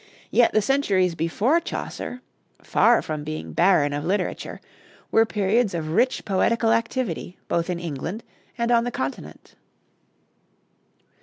yet the centuries before Chaucer, far from being barren of literature, were periods of rich poetical activity both in England and on the Continent.